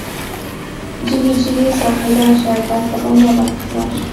جګی جګی ساقی راشه، پس له عمره راپخلا شه